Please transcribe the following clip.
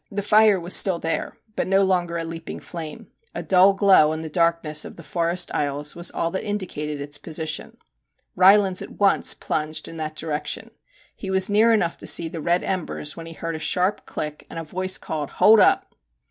The fire was still there, but no longer a leaping flame. A dull glow in the darkness of the forest aisles was all that indicated its position. Rylands at once plunged in that direction ; he was near enough to see the red embers when he heard a sharp click, and a voice called 1 Hold up!'